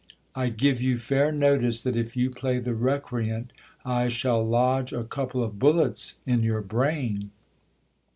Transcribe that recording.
I give you fair notice, that if you play the recreant, I shall lodge a couple of bullets in your brain.